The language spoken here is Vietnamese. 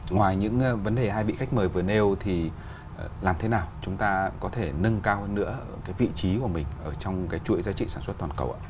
ngoài những vấn đề hai vị khách mời vừa nêu thì làm thế nào chúng ta có thể nâng cao hơn nữa cái vị trí của mình ở trong cái chuỗi giá trị sản xuất toàn cầu ạ